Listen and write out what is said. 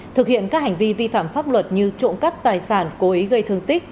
thực hiện các hành vi vi phạm pháp luật như trộm cắp tài sản cố ý gây thương tích